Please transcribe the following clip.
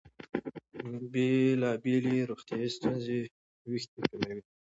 بېلابېلې روغتیايي ستونزې وېښتې کموي.